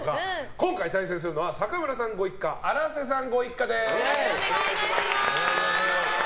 今回対戦するのは坂村さんご一家荒瀬さんご一家です。